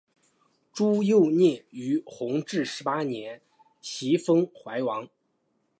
朱佑棨于弘治十八年袭封淮王。